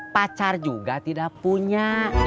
pacar juga tidak punya